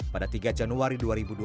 pada tiga januari dua ribu dua puluh